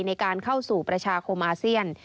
ในการเข้าสู่ประชาคมอาเซียน